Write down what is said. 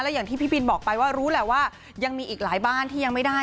อย่างที่พี่บินบอกไปว่ารู้แหละว่ายังมีอีกหลายบ้านที่ยังไม่ได้